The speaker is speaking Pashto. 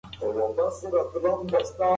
رهبر اوسئ.